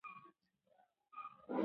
کلاسیک روشنفکر او کلتوري ريښې یې